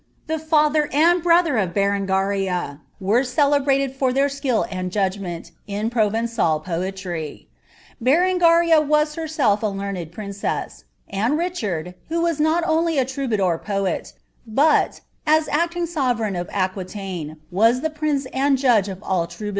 The father and brother of Berengaria were celebrated (or 11 and judgment in Provencal poetry.' Berengaria was herself princess; and Riehsnl, who was not only a troubadour poet, ■ting aoTercign of Aquiiaine, was the prince and judge of a" ■> r Aquioiue.